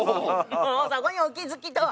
もうそこにお気付きとは。